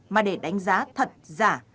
mà để đánh giá thật giả